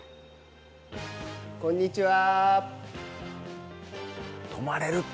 こんにちは。